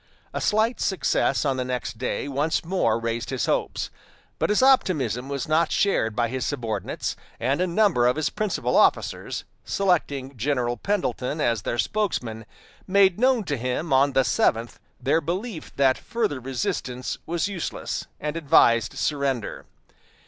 A slight success on the next day once more raised his hopes; but his optimism was not shared by his subordinates, and a number of his principal officers, selecting General Pendleton as their spokesman, made known to him on the seventh their belief that further resistance was useless, and advised surrender.